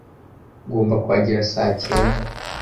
Ngomba kuhagera saa cyenda.